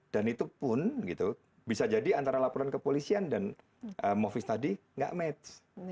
dan itu pun bisa jadi antara laporan kepolisian dan movis tadi tidak match